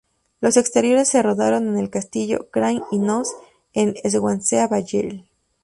Los exteriores se rodaron en el castillo Craig-y-Nos, en Swansea Valley.